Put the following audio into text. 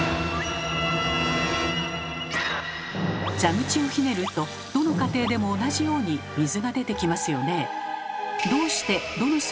蛇口をひねるとどの家庭でも同じように水が出てきますよねえ。